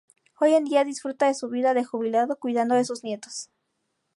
Hoy en día disfruta de su vida de jubilado cuidando de sus nietos.